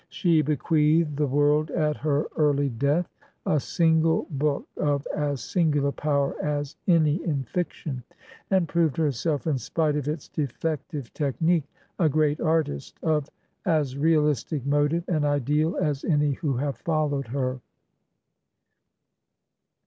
She bequeathed the world at her early death a single book of as singular power as any in fiction; and proved herself, in spite of its defective technique, a great artist, of as realistic mo tive and ideal as any who have followed her.